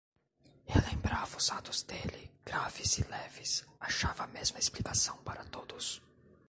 Relembrava os atos dele, graves e leves, achava a mesma explicação para todos.